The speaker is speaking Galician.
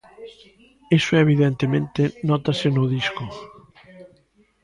Iso evidentemente nótase no disco.